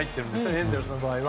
エンゼルスの場合は。